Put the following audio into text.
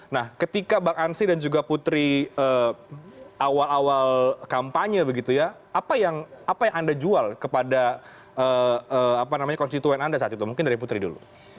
nah ketika bang ansi dan juga putri awal awal kampanye begitu ya apa yang anda jual kepada konstituen anda saat itu mungkin dari putri dulu